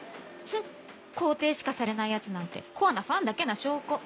フン肯定しかされない奴なんてコアなファンだけな証拠。